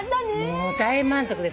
もう大満足です。